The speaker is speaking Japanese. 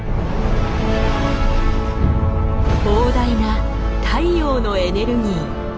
膨大な太陽のエネルギー。